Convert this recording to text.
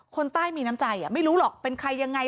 คนใต้มีน้ำใจไม่รู้หรอกเป็นใครยังไง